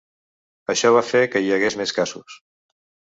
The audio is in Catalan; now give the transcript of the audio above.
Això va fer que hi hagués més casos.